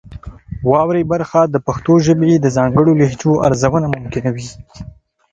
واورئ برخه د پښتو ژبې د ځانګړو لهجو ارزونه ممکنوي.